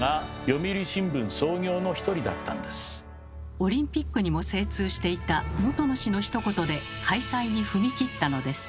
オリンピックにも精通していた本野氏のひと言で開催に踏み切ったのです。